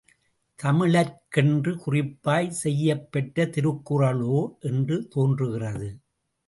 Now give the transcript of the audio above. தமிழர்க்கென்றே குறிப்பாய் செய்யப்பெற்ற திருக்குறளோ என்று தோன்றுகிறது.